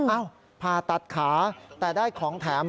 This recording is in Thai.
ผ่าตัดขาแต่ได้ของแถม